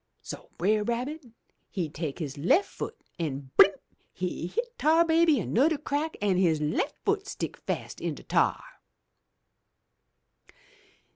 So Brer Rabbit he take his left foot an' blimp! he hit Tar Baby anudder crack, an' his left foot stick fast in de tar!